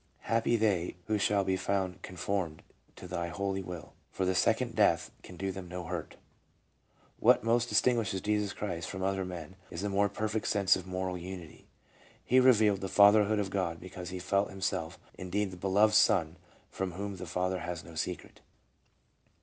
... Happy they who shall be found conformed to Thy holy will, for the second death can do them no hurt." What most dis tinguishes Jesus Christ from other men is a more perfect sense of moral unity. He revealed the Fatherhood of God because he felt himself indeed the Beloved Son from whom the Father has no secret.